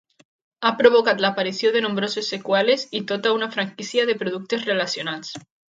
Ha provocat l'aparició de nombroses seqüeles i tota una franquícia de productes relacionats.